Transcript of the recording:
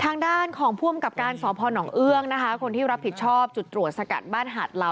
ทางด้านของผู้อำกับการสพนเอื้องนะคะคนที่รับผิดชอบจุดตรวจสกัดบ้านหาดเหล่า